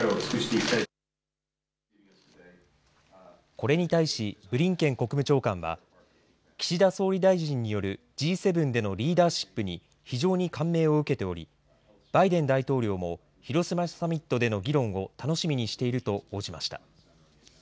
これに対しブリンケン国務長官は岸田総理大臣によるＧ７でのリーダーシップに非常に感銘を受けておりバイデン大統領も広島サミットでの議論を楽しみにしていると応じました。